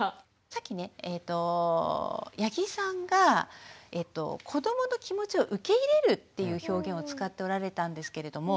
さっきね八木さんが子どもの気持ちを受け入れるっていう表現を使っておられたんですけれども。